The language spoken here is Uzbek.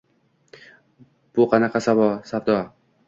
bu qandoq savdo?”